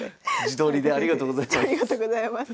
自撮りでありがとうございます。